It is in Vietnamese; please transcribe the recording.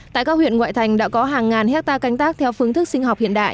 tại các huyện ngoại thành đã có hàng ngàn hectare canh tác theo phương thức sinh học hiện đại